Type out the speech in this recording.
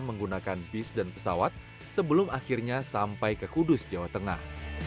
menggunakan bis dan pesawat sebelum akhirnya sampai ke kudus jawa tengah